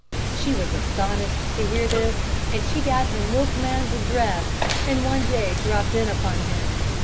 She was astonished to hear this, and she got her milkman's address, and one day dropped in upon him.